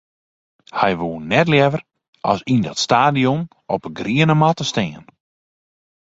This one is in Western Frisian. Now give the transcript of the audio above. Hy woe neat leaver as yn dat stadion op 'e griene matte stean.